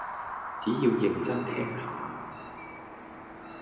只要認真聽下